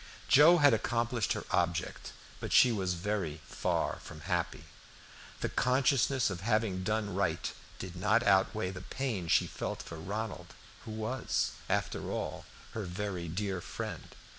Joe had accomplished her object, but she was very far from happy. The consciousness of having done right did not outweigh the pain she felt for Ronald, who was, after all, her very dear friend.